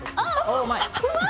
うまい！